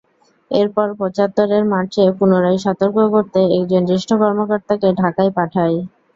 এরপর পঁচাত্তরের মার্চে পুনরায় সতর্ক করতে একজন জ্যেষ্ঠ কর্মকর্তাকে ঢাকায় পাঠাই।